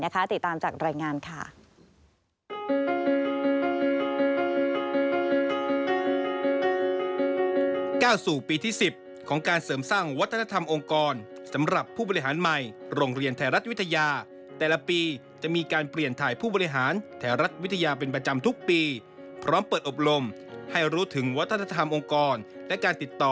ติดตามจากรายงานค่ะ